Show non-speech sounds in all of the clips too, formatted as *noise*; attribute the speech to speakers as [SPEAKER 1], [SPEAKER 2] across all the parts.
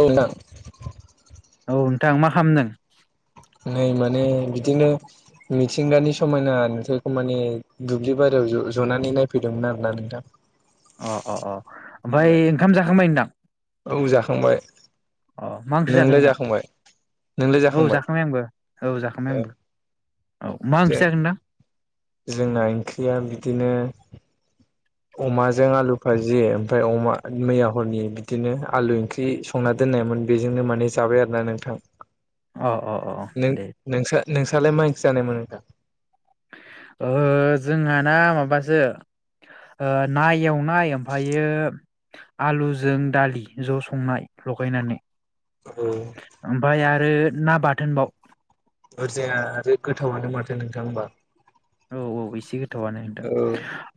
[SPEAKER 1] औना
[SPEAKER 2] औ नोंथां मा खालामदों
[SPEAKER 1] नै माने जनानै नायफैदोंमोन आरोना नोंथां
[SPEAKER 2] अह अह अह
[SPEAKER 1] नोंलाय?
[SPEAKER 2] ओमफ्राय ओंखाम जाखांबाय नोंदां
[SPEAKER 1] औ जाखांबाय
[SPEAKER 2] मा ओंख्रि जाखो
[SPEAKER 1] नोंलाय
[SPEAKER 2] नोंथां
[SPEAKER 1] जाखांबाय
[SPEAKER 2] औ जाखांबाय आंबो औ जाखांबाय आंबो औ मा ओंख्रि जाखो नोंथां
[SPEAKER 1] जोंना ओंख्रिया बिदिनो अमाजों आलु फाजि ओमफ्राय अमा मैया हरनि बिदिनो आलु ओंख्रि संना दोननाय मोन बेजोंनो माने जाबाय आरो ना नोंथां
[SPEAKER 2] अह अह अह
[SPEAKER 1] नों
[SPEAKER 2] दे
[SPEAKER 1] नोंसा नोंसालाय माइ इंख्रि जानायमोन नोंथां
[SPEAKER 2] ओ जोंहाना माबासो ओ ना एवनाय ओमफ्रायो आलुजों दालि ज' संनाय लगायनानै।
[SPEAKER 1] औ
[SPEAKER 2] ओमफ्राय आरो ना बाथोनबाव।
[SPEAKER 1] ओरजाया आरो गोथावानो माथो नोंथां होनबा।
[SPEAKER 2] औ औ एसे गोथावानो नोंथां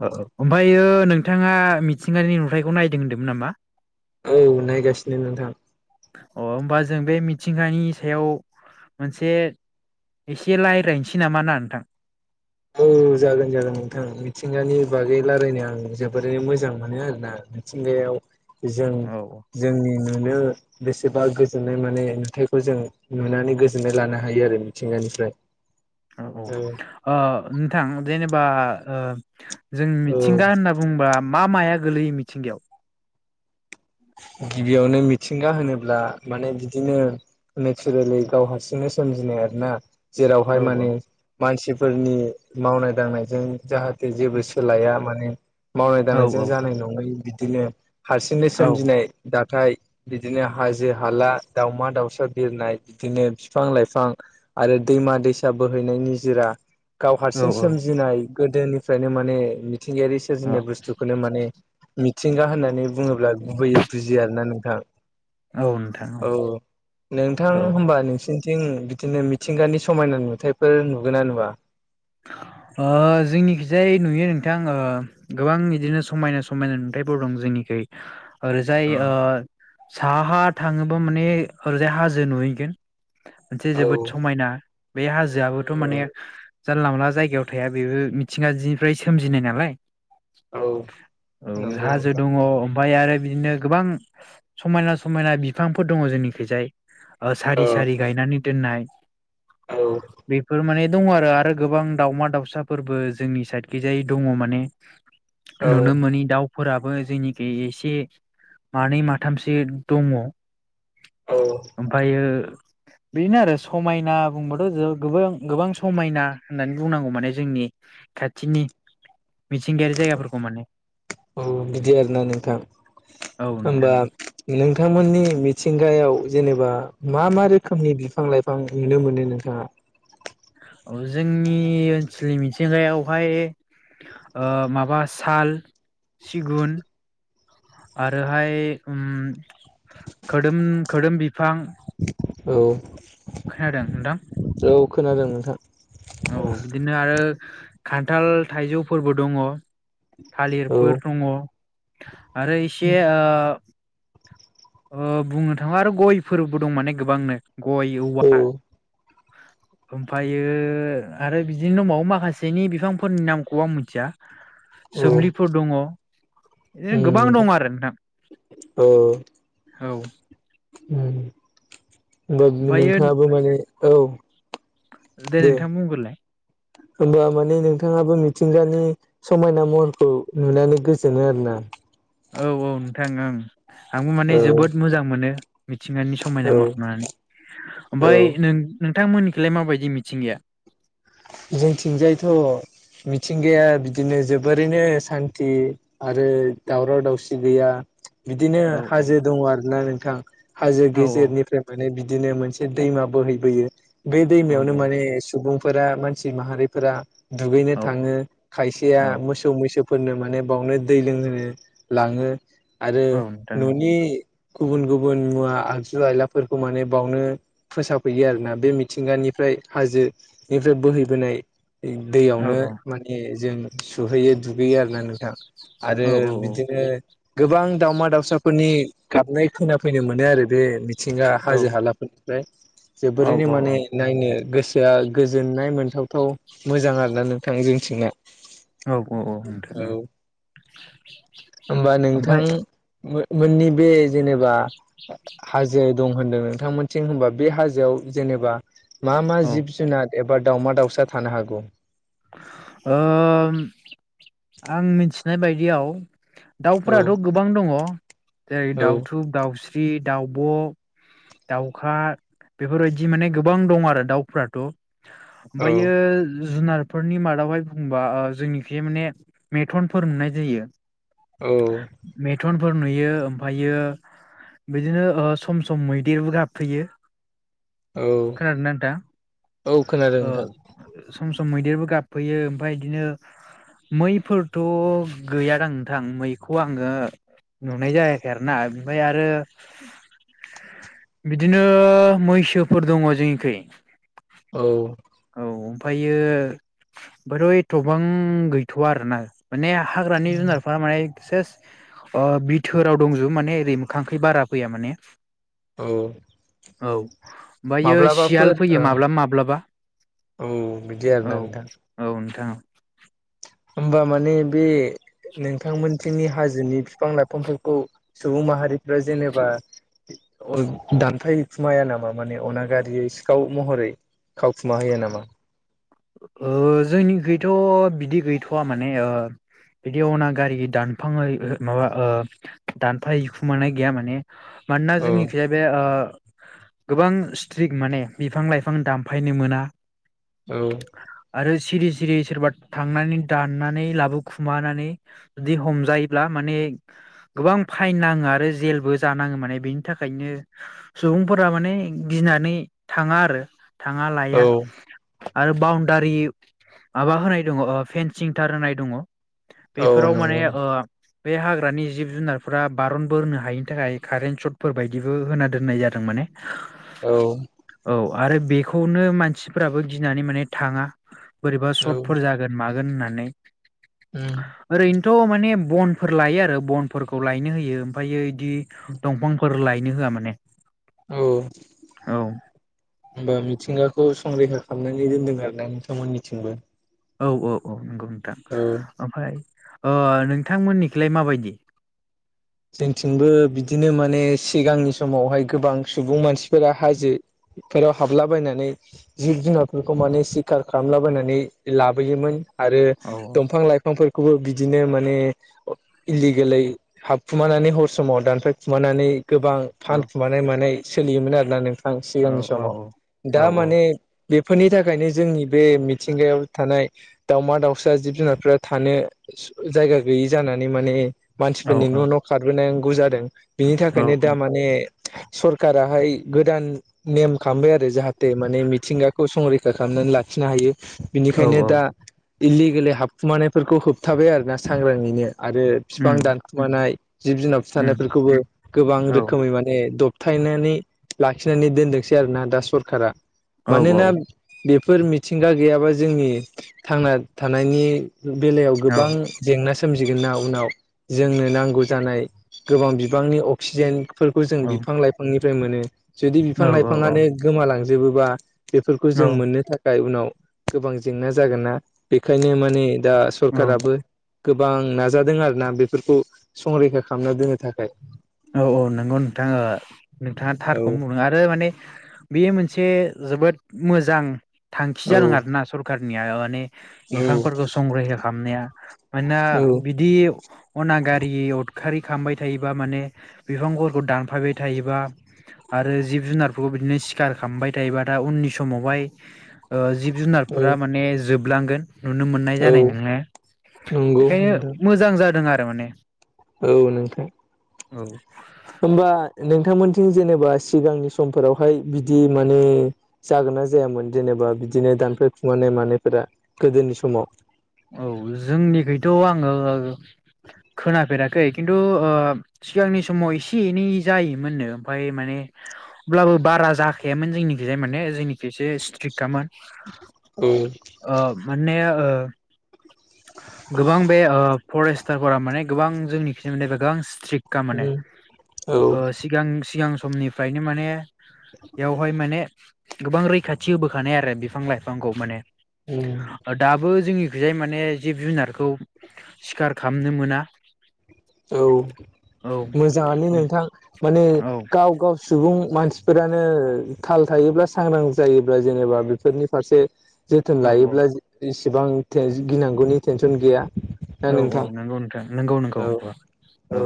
[SPEAKER 2] ओ-ओमफ्राय। ओमफ्रायो नोंथाङा मिथिंगानि नुथायखौ नायदों होनदोंमोन नामा?
[SPEAKER 1] औ नायगासिनो नोंथां।
[SPEAKER 2] अह होमबा जों बे मिथिंगानि सायाव मोनसे एसे रायलायनोसै नामा ना नोंथां?
[SPEAKER 1] औ जागोन जागोन नोंथां मिथिंगानि बागै लारायनो आं जोबोरैनो मोजां मोनो आरोना। मिथिंगायाव जों
[SPEAKER 2] औ औ
[SPEAKER 1] जोंनि नुनो बेसेबा गोजोननाय माने नुथाइखौ जों नुनानै गोजोननाय लानो हायो आरो मिथिंगानिफ्राय।
[SPEAKER 2] औ औ ओ नोंथां जेनेबा ओ जों
[SPEAKER 1] औ
[SPEAKER 2] मिथिंगा होनना बुंबा मा माया गोलैयो मिथिंगायाव?
[SPEAKER 1] गिबियावनो मिथिंगा होनोब्ला माने बिदिनो नेचारेलि गाव हारसिंनो सोम जिनाय आरोना जेरावहाय
[SPEAKER 2] औ
[SPEAKER 1] माने मानसिफोरनि मावनाय दांनायजों जाहे जेबो सोलाया माने मावनाय
[SPEAKER 2] औ
[SPEAKER 1] दांनायजों
[SPEAKER 2] औ
[SPEAKER 1] जानाय नङै बिदिनो हारसिंनो
[SPEAKER 2] औ
[SPEAKER 1] सोमजिनाय। दाथाय बिदिनो हाजो हाला दावमा दाउसा बिरनाय बिदिनो बिफां लाइफां। आरो दैमा दैसा बोहैनायनि निजोरा। गाव
[SPEAKER 2] औ
[SPEAKER 1] हारसिं
[SPEAKER 2] औ
[SPEAKER 1] सोमजिनाय गोदोनिफ्रायनो माने मिथिंगायारि
[SPEAKER 2] औ
[SPEAKER 1] सोरजिनाय बुस्थुखौनो माने मिथिंगा होननानै बुङोब्ला गुबैयै बुजि आरोना नोंथां
[SPEAKER 2] औ नोंथां
[SPEAKER 1] औ नोंथां
[SPEAKER 2] औ औ
[SPEAKER 1] होमबा नोंसिनि थिं बिदिनो मिथिंगानि समायना नुथाइफोर नुगोना नुआ?
[SPEAKER 2] ओ जोंनिखिजाय नुयो नोंथां ओ गोबां बिदिनो समायना समायना नुथाइफोर दं जोंनि‌ खै। ओरैजाय ओ साहा हा थाङोबा माने ओरैजाय हाजो नुहैगोन। मोनसे
[SPEAKER 1] औ
[SPEAKER 2] जोबोद समायना बे हाजोआबोथ'
[SPEAKER 1] औ
[SPEAKER 2] माने जानला मानला जायगायाव थाया बेबो मिथिंगाजिनिफ्राय सोमजिनाय नालाय।
[SPEAKER 1] औ
[SPEAKER 2] औ
[SPEAKER 1] नंगौ
[SPEAKER 2] हाजो
[SPEAKER 1] नोंथां
[SPEAKER 2] दङ। ओमफाय आरो बिदिनो गोबां समायना समायना बिफांफोर दङ जोंनिखैजाय। ओ सारि
[SPEAKER 1] औ
[SPEAKER 2] सारि गायनानै दोननाय
[SPEAKER 1] औ
[SPEAKER 2] बेफोर माने दङ आरो आरो। गोबां दावमा दाउसाफोरबो जोंनि साइडखैजाय दङ माने
[SPEAKER 1] औ
[SPEAKER 2] नुनो मोनै दाउ। फोराबो जोंनिखै एसे मानै माथामसो दङ।
[SPEAKER 1] औ
[SPEAKER 2] ओमफ्रायो बिदिनो आरो समायना बुंबाथ' गोबां गोबां समायना। होननानै बुंनांगौ माने जोंनि खाथिनि थिंगायारि जायगाफोरखौ माने।
[SPEAKER 1] औ बिदि आरोना नोंथां।
[SPEAKER 2] औ नोंथां
[SPEAKER 1] होमबा
[SPEAKER 2] औ
[SPEAKER 1] नोंथांमोननि मिथिंगायाव जेनेबा मा मा रोखोमनि बिफां लाइफां नुनो मोनो नोंथाङा?
[SPEAKER 2] औ जोंनि ओनसोलनि मिथिंगायावहाय। ओ माबा साल, सिगुन आरोहाय ऐम खोदोम खोदोम बिफां
[SPEAKER 1] औ
[SPEAKER 2] खोनादों नोंथां?
[SPEAKER 1] औ खोनादों नोंथां।
[SPEAKER 2] औ बिदिनो आरो खान्थाल थाइजौफोरबो दङ।
[SPEAKER 1] औ
[SPEAKER 2] थालिरफोर दङ आरो इसे ओ ओ बुंनो थाङोबा आरो गयफोरबो दं माने गोबांनो गय
[SPEAKER 1] औ
[SPEAKER 2] औवा ओमफ्रायो आरो बिदिनो दंबावो माखासेनि बिफांफोरनि नामखौ आं मिथिया।
[SPEAKER 1] औ
[SPEAKER 2] सोमलिफोर दङ बिदिनो गोबां दङ आरो नोंथां। औ
[SPEAKER 1] होनबा
[SPEAKER 2] ओमफ्रायो
[SPEAKER 1] नोंथाङाबो माने औ
[SPEAKER 2] दे नोंथां बुंग्रोलाय।
[SPEAKER 1] होमबा माने नोंथाङाबो मिथिंगानि समायना महरखौ नुनानै गोजोनो आरो ना?
[SPEAKER 2] औ औ नोंथां ओं। आंबो माने
[SPEAKER 1] औ
[SPEAKER 2] जोबोद मोजां मोनो मिथिंगानि
[SPEAKER 1] औ
[SPEAKER 2] समायना महरखौ नायनानै
[SPEAKER 1] औ
[SPEAKER 2] ओमफ्राय नों नोंथांमोननिखिलाय माबायदि मिथिंगाया
[SPEAKER 1] जोंथिंजायथ' मिथिंगाया बिदिनो जोबोरैनो सान्थि आरो दावराव दावसि गैया बिदिनो
[SPEAKER 2] औ औ
[SPEAKER 1] हाजो दङ आरो ना नोंथां हाजो
[SPEAKER 2] औ
[SPEAKER 1] गेजेरनिफ्राय माने बि दिनो मोनसे दैमा बोहैबोयो बे
[SPEAKER 2] औ
[SPEAKER 1] दैमायावनो माने सुबुंफोरा मानसि माहारिफोरा दुगैनो
[SPEAKER 2] औ
[SPEAKER 1] थाङो खायसेया
[SPEAKER 2] औ
[SPEAKER 1] मोसौ मैसो फोरनो माने बावनो दै लोंहोनो लाङो आरो
[SPEAKER 2] औ नोंथां
[SPEAKER 1] न'नि गुबुन गुबुन मुवा आगजु आयलाफोरखौ माने बावनो फोसफैयो आरोना बे मिथिंगानिफ्राय हाजोनिफ्राय बोहै बोनाय
[SPEAKER 2] औ औ
[SPEAKER 1] दैयावनो
[SPEAKER 2] औ
[SPEAKER 1] माने जों सुहैयो दुगैयो आरोना नोंथां। आरो
[SPEAKER 2] औ औ
[SPEAKER 1] बिदिनो गोबां दावमा दाावसाफोरनि गाबनाय खोना फैनो मोनो आरो बे मि थिंगा हाजो हालाफोरनिफ्राय जोबोरैनो
[SPEAKER 2] औ औ
[SPEAKER 1] माने नायनो गोसोआ गोजोननाय मोन थावथाव मोजां आरोना नोंथां जोंथिंना औ होनबा नोंथां
[SPEAKER 2] ओमफाय
[SPEAKER 1] मो मोननि बे जेनेबा हाजो दं मोनदों नोंथांमोनथिं होनबा बे हाजोआव जेनबा मा मा
[SPEAKER 2] औ
[SPEAKER 1] जिब जुनार एबा दाउमा दाउ सा थानो हागौ?
[SPEAKER 2] ओ आं मिथिनाय बायदियाव
[SPEAKER 1] औ
[SPEAKER 2] दाउफोराथ' गोबां दङ जेरै दाउथु दाउस्रि दाउब' दाउखा बेफोरबायदि माने गोबां दं आरो दाउफ्राथ'
[SPEAKER 1] औ
[SPEAKER 2] ओमफ्रायो जुनार फोरनि मादावहाय बुंबा ओ जोंनिखि माने मेथनफोर मोननाय जायो।
[SPEAKER 1] औ
[SPEAKER 2] फोर नुयो ओमफ्रायो बिदिनो सम सम मैदेरबो गाबफैयो।
[SPEAKER 1] औ
[SPEAKER 2] खोनादों ना नोंथां
[SPEAKER 1] औ खोनादों
[SPEAKER 2] ओ
[SPEAKER 1] नोंथां
[SPEAKER 2] सम सम मैदेरबो गाबफैयो ओमफ्राय बिदिनो मैफोरथ' गैयादां नोंथां मैखौ आङो नुनाय जायाखै आरो ना ओमफ्राय आरो बिदिनो मैसोफोर दङ जोंनिखै
[SPEAKER 1] औ
[SPEAKER 2] औ ओमफायो आमफायथ एथबां गैथ'आ आरोना। माने हाग्रानि जुनारफ्रा माने सेस ओ बिथोराव दंजोबो माने ओरै मोखांखै बारा फैया माने
[SPEAKER 1] औ
[SPEAKER 2] औ ओमफायो सियाल
[SPEAKER 1] माब्लाबाफोर
[SPEAKER 2] फैयो माब्लाबा माब्लाबा।
[SPEAKER 1] औ बिदि
[SPEAKER 2] औ
[SPEAKER 1] आरोना नोंथां।
[SPEAKER 2] औ नोंथां।
[SPEAKER 1] होमबा माने बे नोंथांमोनथिंनि हाजो जोनि फिफां लाइफांफोरखौ सुबुं माहारिफ्रा जेनेबा दानफाय खुमाया नामा माने अनागारियै सिखाव महरै खावखुमा हैया नामा?
[SPEAKER 2] ओ जोंनि गैथ' बिदि गैथ'वा माने ओ बिदि अनागारि दानफां माबा ओ दानफाय हैखुमनाय गैया माने मानोना
[SPEAKER 1] औ
[SPEAKER 2] जोंनि खैया बे ओ गोबां स्ट्रिक माने बिफा-लाइफां दामफायनो मोना
[SPEAKER 1] औ
[SPEAKER 2] आरो सिरि-सिरि सोरबा थांनानै दाननानै लाबोखुमानानै जुदि हमजायोब्ला मा माने गोबां फाइन नाङो आरो जेलबो जानाङो माने बेनि थाखायनो सुबुंफोर माने गिनानै थाङा आरो थाङा लाया
[SPEAKER 1] औ
[SPEAKER 2] आरो बाउनडारि माबा होनाय दङ ओ फेनसिं थार होनाय दङ
[SPEAKER 1] औ
[SPEAKER 2] बेफोराव माने
[SPEAKER 1] नंगौ
[SPEAKER 2] ओ बे हाग्रानि जिब-जुनारफोरा बारन बोनो हायिनि थाखाय कारेन्ट सटफोर बायदिबो होना दोननाय जादों माने
[SPEAKER 1] औ
[SPEAKER 2] औ आरो बेखौनो मानसिफोराबो गिनानै माने थाङा बोरैबा
[SPEAKER 1] औ
[SPEAKER 2] सर्टफोर जागोन मा गोन होननानै
[SPEAKER 1] उम
[SPEAKER 2] थ' माने बनफोर लायो आरो बनफोरखौ लायनो होयो ओमफायो इदि दंफांफोर लाय नो होआ माने
[SPEAKER 1] औ
[SPEAKER 2] औ
[SPEAKER 1] होमबा मिथिंगा खौ संरैखा खालामनानै दोनदों आरोना नोंथांमोननिथिंबो
[SPEAKER 2] औ औ औ नंगौ नोंथां
[SPEAKER 1] औ
[SPEAKER 2] ओमफाय ओ नोंथांमोननिखैलाय माबायदि
[SPEAKER 1] जोंथिंबो बिदिनो माने सिगांनि समावहाय गोबां सुबुं मानसिफोरा हाजो फोराव हाबलाबायनानै जिब-जुनारफोरखौ माने सिखार खालामलाबायनानै लाबोयोमोन आरो
[SPEAKER 2] औ
[SPEAKER 1] दंफां-लाइफांफोरखौबो बिदिनो माने इलिगेलै हाब खुमानानै हर समाव दानफायखुमानानै गोबां
[SPEAKER 2] औ
[SPEAKER 1] फानखुमानाय मानाय सोलियोमोन आरोना नों थां
[SPEAKER 2] औ
[SPEAKER 1] सिगांनि
[SPEAKER 2] औ
[SPEAKER 1] समाव
[SPEAKER 2] औ
[SPEAKER 1] दा माने बेफोरनि थाखायनो जोंनि बे मिथिंगायाव थानाय दाउमा-दाउसा जिब-जुनारफोरा थानो जायगा गैयि जानानै माने
[SPEAKER 2] औ
[SPEAKER 1] मानसिफोरनि न' न' खारबोनांगौ जादों बिनि
[SPEAKER 2] औ
[SPEAKER 1] थाखायनो दा माने सरकाराहाय गोदान नेम खालामबाय आरो जाहाथे माने मिथिंगाखौ संरैखा खालाम लाखिनो हायो
[SPEAKER 2] औ
[SPEAKER 1] बिनिखायनो दा इलिगेलै हाबखुमानायफोरखौ होबथाबाय आरोना सांग्राङैनो आरो फिफां दानखुमानाय जिब-जुनार फुथारनायफोरखौबो गोबां रोखोमै माने दबथायनानै लाखिनानै दोनदोंसै आरोना दा सरखारा
[SPEAKER 2] औ औ
[SPEAKER 1] मानोना बेफो फोर मिथिंगा गैयाबा जोंनि थांना थानायनि बेलायाव
[SPEAKER 2] औ
[SPEAKER 1] गोबां जेंना सो सोमजिगोन ना उनाव जोंनो नांगौ जानाय गोबां बिबांनि अक्सिजेन फोरखौ जों
[SPEAKER 2] औ
[SPEAKER 1] बिफां-लाइफांनिफ्राय मोनो जुदि
[SPEAKER 2] औ औ
[SPEAKER 1] बिफां-लाइफाङानो गोमालांजोबोबा बेफोरखौ
[SPEAKER 2] औ
[SPEAKER 1] जों मोननो थाखाय उनाव गोबां जेंना जागोन ना बेखायनो माने दा
[SPEAKER 2] औ
[SPEAKER 1] सरखाराबो गोबां नाजादों आरोना बेफोरखौ संरैखा खालामना दोननो थाखाय
[SPEAKER 2] औ औ नोंगौ नोंथाङा नोंथाङा
[SPEAKER 1] औ
[SPEAKER 2] थारखौनो बुंदों आरो माने बेयो मोनसे जोबोद मोजां थांखि
[SPEAKER 1] औ
[SPEAKER 2] जादों आरोना सरखारनिया माने बिफांफोरखौ संरैखा खालामनाया मानोना
[SPEAKER 1] औ
[SPEAKER 2] बिदि अना गारि उदखारि खामबाय थायोबा माने बिफां फोरखौ दानफायबाय थायोबा आरो जिब जुनारफोरखौ बिदिनो सिखार खालामबाय थायोबा दा दा उननि समावहाय ओ जिब
[SPEAKER 1] औ
[SPEAKER 2] जुनारफोरा माने जोबलांगोन नुनो मोननाय
[SPEAKER 1] औ
[SPEAKER 2] जानाय नङा
[SPEAKER 1] नंगौ
[SPEAKER 2] बेखायनो
[SPEAKER 1] नोंथां
[SPEAKER 2] मोजां जादों आरो माने
[SPEAKER 1] औ नोंथां
[SPEAKER 2] औ
[SPEAKER 1] होनबा नोंथांमोन जेनेबा सिगांनि समफोरावहाय बिदि माने जागोन ना जायामोन जेनेबा बिदिनो दानफाय खुमानाय मानायफोरा गोदोनि समाव
[SPEAKER 2] औ जोंनिखैथ' आङो खोनाफेराखै खिन्थु सिगांनि समाव एसे एनै जायोमोननो ओमफाय माने अब्लाबो बारा जाखायामोन जोंनिखिजाय माने जोंनिखि एसे स्ट्रिक्तखामोन
[SPEAKER 1] उम
[SPEAKER 2] आ माने आ गोबां बे ओ फरेस्टारफोरा माने गोबां जोंनि खिबाय गोबां स्ट्रिक् क माने
[SPEAKER 1] औ
[SPEAKER 2] सिगां सिगां समनिफ्रायनो माने बेवहाय माने गोबां रैखाथि होबोखानाय आरो बिफां लाइफांखौ माने
[SPEAKER 1] उम
[SPEAKER 2] दाबो जोंनि बेहाय माने जिब जुनारखौ सिखार खालामनो मोना
[SPEAKER 1] औ
[SPEAKER 2] औ
[SPEAKER 1] मोजाङानो नोंथां माने
[SPEAKER 2] औ
[SPEAKER 1] गाव गाव सुबुं मानसिफोरानो थाल थायोब्ला सांग्रां जायोब्ला जेनेबा बेफोरनि फारसे जोथोन
[SPEAKER 2] औ औ
[SPEAKER 1] लायोब्ला इसिबां गिनांगौनि टेनसन गैया ना
[SPEAKER 2] औ औ
[SPEAKER 1] नोंथां
[SPEAKER 2] नंगौ नोंथां नंगौ नंगौ
[SPEAKER 1] औ
[SPEAKER 2] औ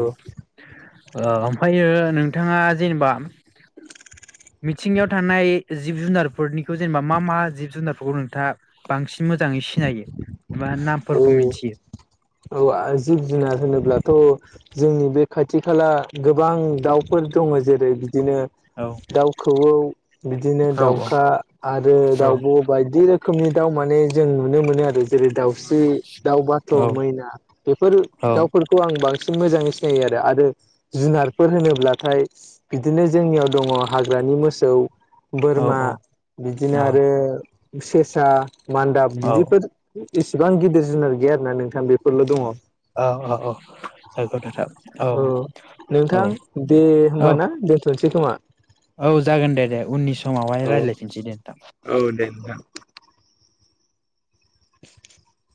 [SPEAKER 2] ओमफ्रायो नोंथाङा जेनेबा मिथिंगायाव थानाय जिब जुनारफोरनिखौ जेनेबा मा मा जिब जुनारफोरखौ नोंथाङा बांसिन मोन मोजाङै सिनायो एबा
[SPEAKER 1] औ
[SPEAKER 2] नामफोरखौ मिथियो
[SPEAKER 1] औ आं जिब जुनार होनोब्लाथ' जोंनि बे खाथि खाला गोबां दाउफोर दङ जेरै बिदिनो
[SPEAKER 2] औ
[SPEAKER 1] दाउ खौवौ बिदिनो
[SPEAKER 2] औ
[SPEAKER 1] दाउखा आरो
[SPEAKER 2] औ
[SPEAKER 1] दाउब' बायदि रोखोमनि दाव माने जों नुनो मोनो आरो जेरै दाउस्रि दाउ बाथ'
[SPEAKER 2] औ
[SPEAKER 1] मैना बेफोर
[SPEAKER 2] औ
[SPEAKER 1] दाउफोरखौ आं बांसि बांसिन मोजाङै सिनायो आरो आरो जुनारफोर होनोब्लाथाय बिदिनो जोंनियाव दङ हाग्रा दानि मोसौ
[SPEAKER 2] औ
[SPEAKER 1] बोरमा बिदिनो
[SPEAKER 2] औ
[SPEAKER 1] आरो सेसा मान्दाब
[SPEAKER 2] औ
[SPEAKER 1] बिदिफोर एसेबां गिदिर जुनार गैया आरो ना नोंथां बेफोरल' दङ' औ
[SPEAKER 2] औ औ औ नंगौ नोंथां औ
[SPEAKER 1] नोंथां दे
[SPEAKER 2] औ
[SPEAKER 1] होमबाना दोनथ' नोसै खोमा
[SPEAKER 2] औ जागोन दे दे उननि समावहाय
[SPEAKER 1] औ
[SPEAKER 2] रायलायफिनसै दे
[SPEAKER 1] औ दे
[SPEAKER 2] नोंथां
[SPEAKER 1] नोंथां। *unintelligible*